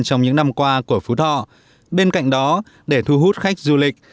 trong những năm qua của phú thọ bên cạnh đó để thu hút khách du lịch